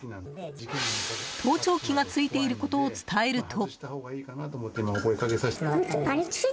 盗聴器がついていることを伝えると。